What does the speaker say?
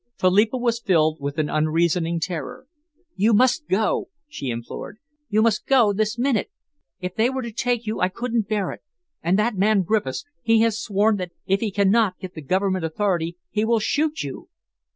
Philippa was filled with an unreasoning terror. "You must go!" she implored. "You must go this minute! If they were to take you, I couldn't bear it. And that man Griffiths he has sworn that if he can not get the Government authority, he will shoot you!"